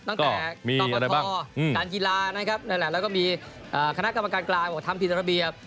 ตั้งแต่กองกฐการกีฬานะครับแล้วก็มีคณะกรรมการกลายบอกทำผิดระเบียบ